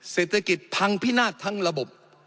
เศรษฐกิจพังพินาศทั้งระบบ